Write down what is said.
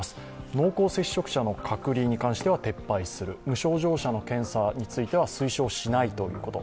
濃厚接触者の隔離に関しては撤廃する、無症状者の検査については推奨しないということ。